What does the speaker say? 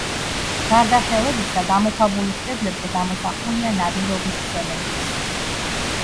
გარდა ხელებისა, გამოქვაბულის კედლებზე გამოსახულია ნადირობის სცენებიც.